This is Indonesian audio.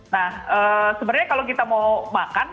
nah sebenarnya kalau kita mau makan